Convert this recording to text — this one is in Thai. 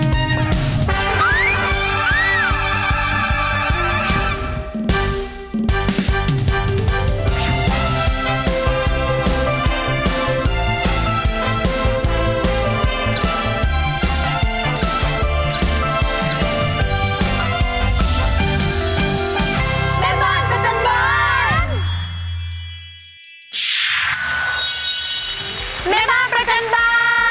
สวัสดีค่ะแอร์ทันธิราค่ะ